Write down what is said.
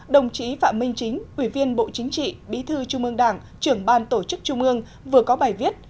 đồng chí phạm minh chính quỷ viên bộ chính trị bí thư trung mương đảng trưởng ban tổ chức trung mương vừa có bài viết